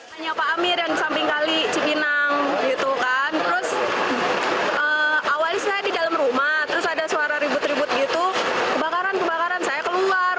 tanya pak amir yang samping kali cipinang gitu kan terus awalnya saya di dalam rumah terus ada suara ribut ribut gitu kebakaran kebakaran saya keluar